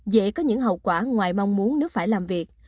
dễ có những hậu quả ngoài mong muốn nước phải làm việc